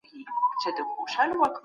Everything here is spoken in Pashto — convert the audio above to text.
مونږ باید په مړانه ژوند وکړو.